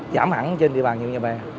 giảm hẳn trên địa bàn hủy nhà bè